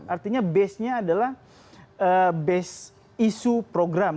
artinya base nya adalah base isu program